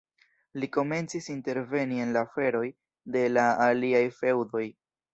Li komencis interveni en la aferoj de la aliaj feŭdoj.